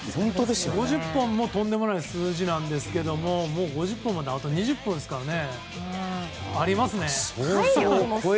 ５０本もとんでもない数字なんですが５０本まであと２０本ですからありますね。